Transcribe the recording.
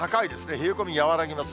冷え込み和らぎます。